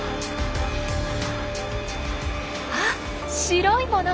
あっ白いもの！